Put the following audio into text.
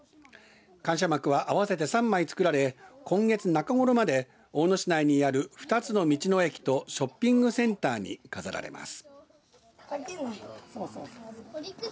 感謝幕は合わせて３枚作られ今月中ごろまで大野市内にある２つの道の駅とショッピングセンターに飾られます。